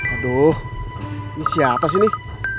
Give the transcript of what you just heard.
aduh ini siapa sih nih